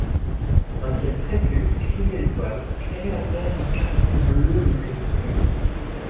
Un ciel très pur, criblé d'étoiles, éclairait la terre d'une clarté bleue de crépuscule.